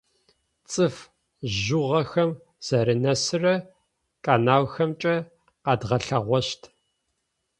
Цӏыф жъугъэхэм зэранэсырэ каналхэмкӏэ къэдгъэлъэгъощт.